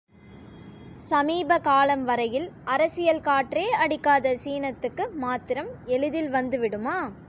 சமீப காலம் வரையில் அரசியல் காற்றே அடிக்காத சீனத்துக்கு மாத்திரம் எளிதில் வந்துவிடுமா?